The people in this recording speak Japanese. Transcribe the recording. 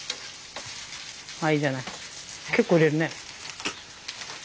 あっいいじゃない結構入れるね。